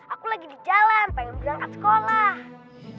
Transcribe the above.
aku lagi di jalan pengen berangkat sekolah